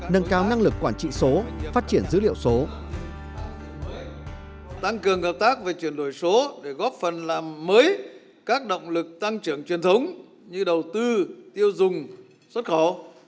nâng cao năng lực quản trị số phát triển dữ liệu số